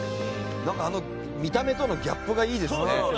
見た目とのギャップがいいですね。